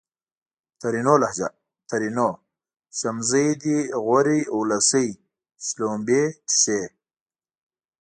ترينو لهجه ! ترينو : شمزې دي غورې اولسۍ :شلومبې چښې